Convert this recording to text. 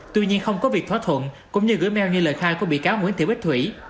tuy nhiên không có việc thỏa thuận cũng như gửi meo như lời khai của bị cáo nguyễn thị bích thủy